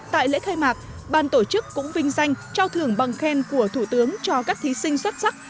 tại lễ khai mạc ban tổ chức cũng vinh danh trao thưởng bằng khen của thủ tướng cho các thí sinh xuất sắc